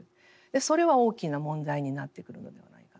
それは大きな問題になってくるのではないかなと。